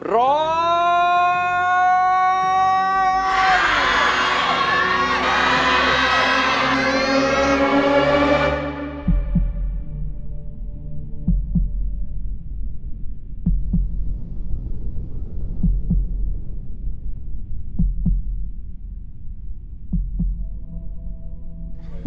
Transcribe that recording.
ร้อง